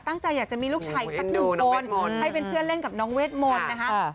ตั้งใจอยากจะมีลูกชายอีกสักหนึ่งคนให้เป็นเพื่อนเล่นกับน้องเวทมนต์นะคะ